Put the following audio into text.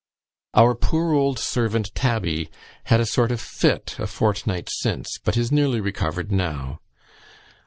"Our poor old servant Tabby had a sort of fit, a fortnight since, but is nearly recovered now.